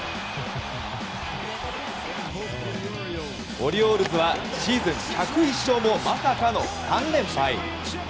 オリオールズはシーズン１０１勝もまさかの３連敗。